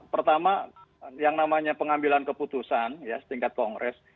pertama yang namanya pengambilan keputusan ya setingkat kongres